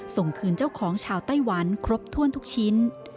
ส่งคืนเจ้าของชาวไต้หวันครบถ้วนทุกชิ้น